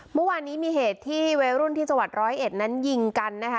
เมื่อวานนี้มีเหตุที่วัยรุ่นที่จังหวัดร้อยเอ็ดนั้นยิงกันนะคะ